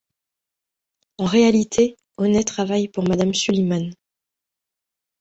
En réalité Honey travaille pour madame Suliman.